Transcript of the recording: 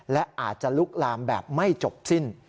และอาจจะลุกลามแบบไม่จบสิ้น